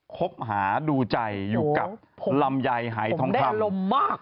คบหาดูใจอยู่กับลำไยหายทองคำมาก